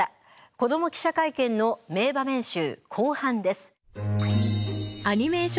「子ども記者会見」の名場面集後半です。